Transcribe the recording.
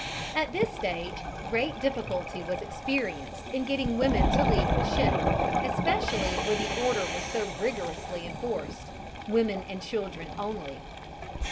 At this stage great difficulty was experienced in getting women to leave the ship, especially where the order was so rigorously enforced, "Women and children only."